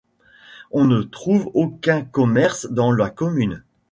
On ne trouve aucun commerce dans la commune.